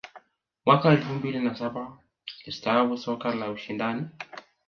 mwaka elfu mbili na saba alistaafu soka la ushindani